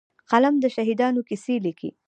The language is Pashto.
قلم د شهیدانو کیسې لیکي